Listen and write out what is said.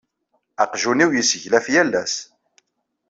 Aqjun-iw yesseglaf yal ass.